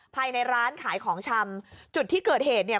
ภายในร้านขายของชำจุดที่เกิดเหตุเนี่ย